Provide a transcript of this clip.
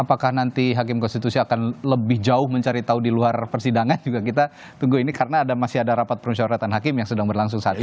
apakah nanti hakim konstitusi akan lebih jauh mencari tahu di luar persidangan juga kita tunggu ini karena masih ada rapat permusyawaratan hakim yang sedang berlangsung saat ini